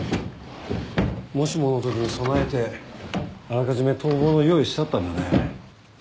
もしものときに備えてあらかじめ逃亡の用意してあったんだね。